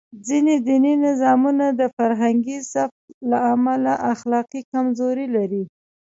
ځینې دیني نظامونه د فرهنګي ضعف له امله اخلاقي کمزوري لري.